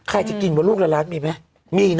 ใครจะกินว่าลูกละร้านมีไหมมีนะ